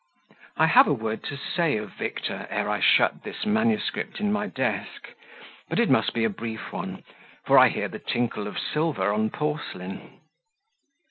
I have a word to say of Victor ere I shut this manuscript in my desk but it must be a brief one, for I hear the tinkle of silver on porcelain.